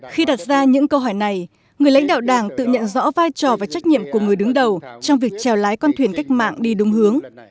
khi đặt ra những câu hỏi này người lãnh đạo đảng tự nhận rõ vai trò và trách nhiệm của người đứng đầu trong việc trèo lái con thuyền cách mạng đi đúng hướng